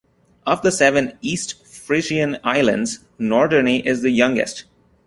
Of the seven East Frisian islands, Norderney is the youngest.